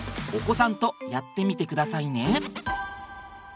お子さんとやってみてくださいね。